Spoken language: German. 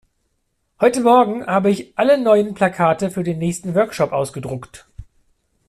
Heute morgen habe ich alle neuen Plakate für den nächsten Workshop ausgedruckt.